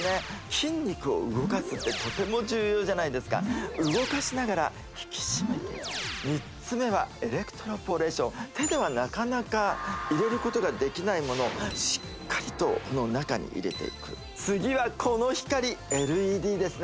筋肉を動かすってとても重要じゃないですか動かしながら引き締めていく３つ目は手ではなかなか入れることができないものしっかりとこの中に入れていく次はこの光ＬＥＤですね